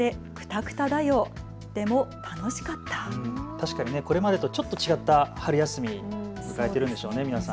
確かにこれまでとちょっと違った春休みを迎えているんでしょうね。